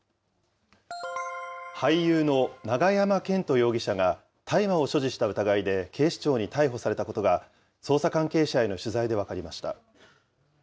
俳優の永山絢斗容疑者が、大麻を所持した疑いで警視庁に逮捕されたことが、捜査関係者への取材で分かりました。